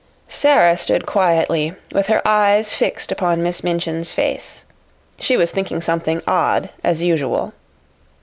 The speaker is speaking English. Sara stood quietly, with her eyes fixed upon Miss Minchin's face. She was thinking something odd, as usual.